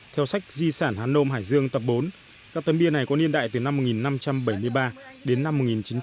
theo sách di sản hán nôm hải dương tập bốn các tấm bia này có niên đại từ năm một nghìn năm trăm bảy mươi ba đến năm một nghìn chín trăm bảy mươi